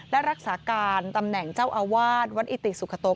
และรักษาการตำแหน่งเจ้าอาวาสวัดอิติสุขโต